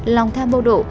lòng tham bộ độ